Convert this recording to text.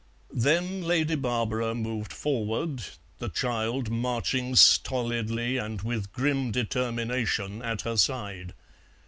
Then Lady Barbara moved forward, the child marching stolidly and with grim determination at her side.